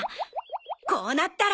こうなったら！